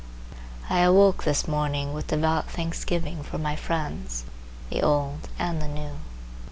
I awoke this morning with devout thanksgiving for my friends, the old and the new.